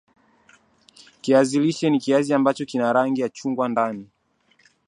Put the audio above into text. Kiazi lishe ni kiazi ambacho kina rangi ya chungwa ndani